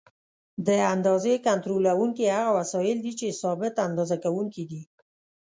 د اندازې کنټرولوونکي هغه وسایل دي چې ثابت اندازه کوونکي دي.